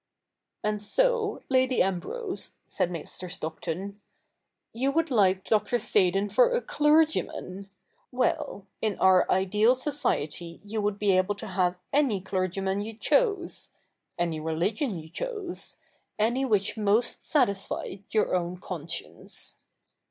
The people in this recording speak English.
' And so. Lady Ambrose,' said Mr. Stockton, ' you would like Dr. Seydon for a clergyman ! ^Vell, in our ideal society you would be able to have any clergyman you chose — any religion you chose — any which most satisfied your own conscience.'